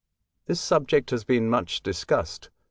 This subject has been much discussed.